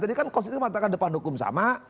tadi kan konsisten matakan depan hukum sama